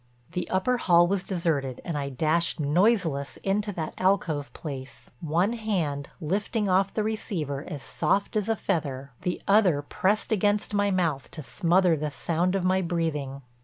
The upper hall was deserted and I dashed noiseless into that alcove place, one hand lifting off the receiver as soft as a feather, the other pressed against my mouth to smother the sound of my breathing.